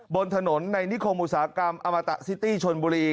บนถนนในนิคมอุตสาหกรรมอมตะซิตี้ชนบุรี